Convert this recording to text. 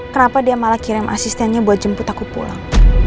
kenapa dia malah kirim asistennya buat jemput aku pulang